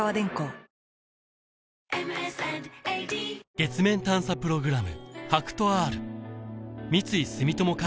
月面探査プログラム